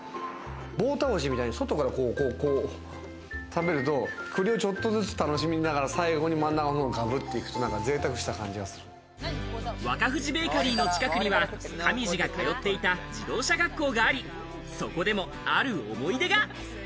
棒倒しみたいに外から食べると、栗をちょっとずつ楽しみながら、最後に真ん中をかぶっていくと贅ワカフジベーカリーの近くには、上地が通っていた自動車学校があり、そこでもある思い出が。